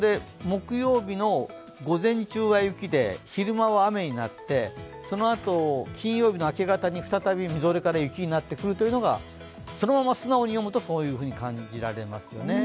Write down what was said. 木曜日の午前中は雪で昼間は雨になってそのあと金曜日の明け方に再びみぞれから雪になってくるというのが、そのまま素直に読むとそういうふうに感じられます。